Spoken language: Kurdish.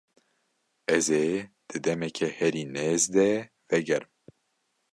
Ez ê di demeke herî nêz de vegerim.